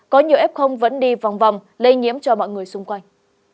vòng vòng lây nhiễm cho mọi người xung quanh